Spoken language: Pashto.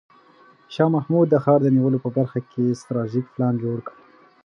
شاه محمود د ښار د نیولو په برخه کې ستراتیژیک پلان جوړ کړ.